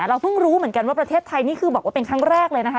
เราเพิ่งรู้เหมือนกันว่าประเทศไทยนี่คือบอกว่าเป็นครั้งแรกเลยนะคะ